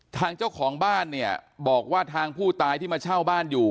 ทางเจ้าของบ้านเนี่ยบอกว่าทางผู้ตายที่มาเช่าบ้านอยู่